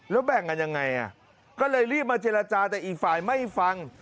แล้วแบ่งกันยังไงก็เลยรีบมาเจรจาแต่อีกฝ่ายไม่ฟัง